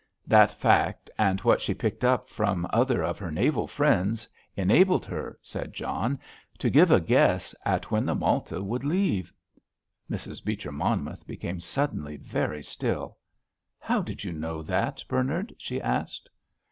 "That fact, and what she picked up from other of her naval friends, enabled her," said John, "to give a guess at when the Malta would leave ——" Mrs. Beecher Monmouth became suddenly very still. "How did you know that, Bernard?" she asked.